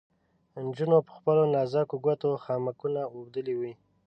نجونو په خپلو نازکو ګوتو خامکونه اوبدلې وې.